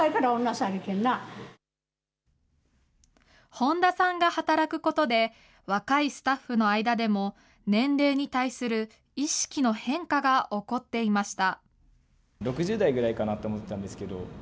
本田さんが働くことで、若いスタッフの間でも年齢に対する意識の変化が起こっていました。